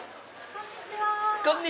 こんにちは！